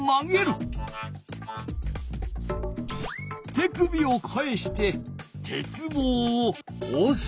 手首を返して鉄棒をおす。